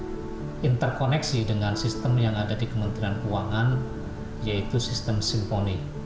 kami juga berharap sistem ini dapat interkoneksi dengan sistem yang ada di kementerian keuangan yaitu sistem simponi